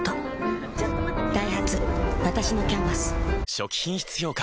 初期品質評価